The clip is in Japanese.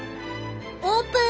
オープン！